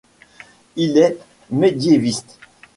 Il est médiéviste.